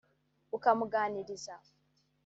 ukamuganiriza